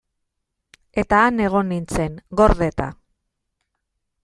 Eta han egon nintzen, gordeta.